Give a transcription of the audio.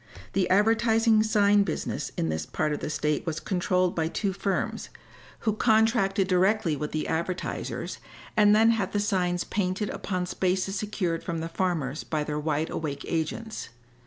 The advertising sign business in this part of the state was controlled by two firms, who contracted directly with the advertisers and then had the signs painted upon spaces secured from the farmers by their wide awake agents.